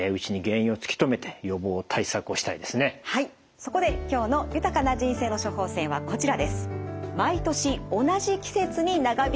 そこで今日の「豊かな人生の処方せん」はこちらです。